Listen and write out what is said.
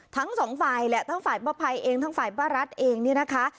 ทั้งสองฝ่ายแหละทั้งฝ่ายป้าภัยเองทั้งฝ่ายป้ารัฐเองเนี่ยนะคะ